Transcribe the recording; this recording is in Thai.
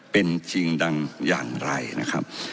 เป็นจริงดังอย่างไรนะครับ